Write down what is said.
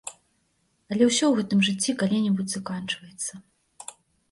Але ўсё ў гэтым жыцці калі-небудзь заканчваецца.